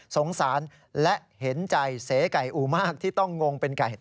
สงสารและเห็นใจเสไก่อูมากที่ต้องงงเป็นไก่